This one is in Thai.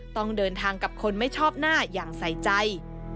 ต้องเดินทางกับคนไม่ชอบหน้าอย่างใส่ใจ